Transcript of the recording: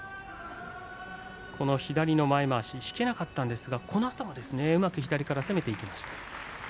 左の前まわし引けなかったんですがこのあともうまく左から攻めていきました。